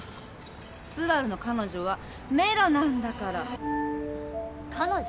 スバルの彼女はめろなんだから彼女？